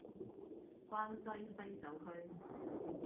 關西揮手區